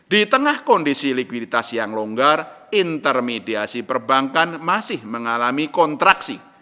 di tengah kondisi likuiditas yang longgar intermediasi perbankan masih mengalami kontraksi